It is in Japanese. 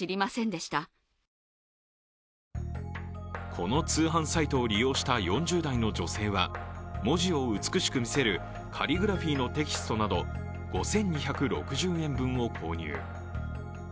この通販サイトを利用した４０代の女性は、文字を美しく見せるカリグラフィーのテキストなど５２６０円分を購入。